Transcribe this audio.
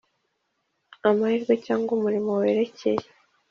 amahirwe cyangwa umurimo werekeye